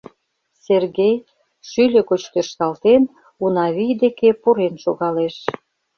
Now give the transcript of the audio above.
Сергей, шӱльӧ гоч тӧршталтен, Унавий деке пурен шогалеш.